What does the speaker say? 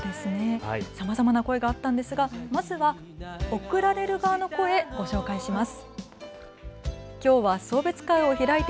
さまざまな声があったんですがまずは送られる側の声、ご紹介します。